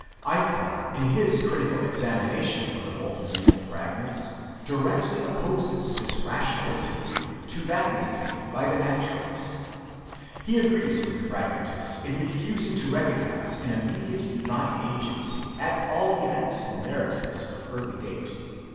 Eichhorn, in his critical examination of the Wolfenbiittel Fragments, directly opposes this rationalistic view to that maintained by the Naturalist. He agrees with the Fragmentist in refusing to recognize an immediate divine agency, at all events in the narratives of early date.